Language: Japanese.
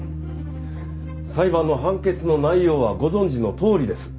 裁判の判決の内容はご存じのとおりです。